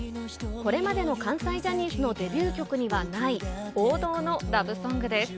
これまでの関西ジャニーズのデビュー曲にはない、王道のラブソングです。